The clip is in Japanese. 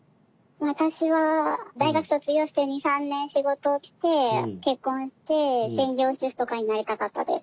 私は大学卒業して２３年仕事をして結婚して専業主婦とかになりたかったです。